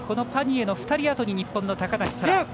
パニエの２人あとに日本の高梨沙羅。